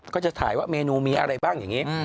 ก็จะถ่ายว่าเมนูมีอะไรบ้างอย่างนี้